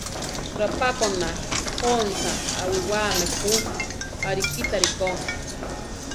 Rapákona jónsa awiwáame jú, arikítari ko.